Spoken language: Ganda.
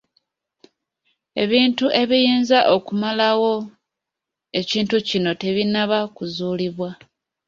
Ebintu ebiyinza okumalawo ekintu kino tebinnaba kuzuulibwa.